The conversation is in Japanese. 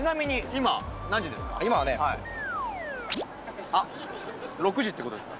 今はねあっ６時ってことですか？